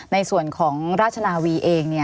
ในส่วนของราชนาวีเอง